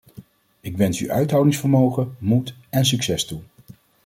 Ik wens u uithoudingsvermogen, moed en succes toe.